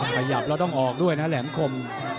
ถ้าขยับเราต้องออกด้วยนะแหลมคม